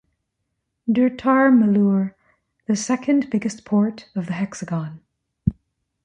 Durtar Malur, the second biggest port of the hexagon.